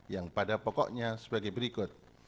yang pada pokoknya sebagai berikut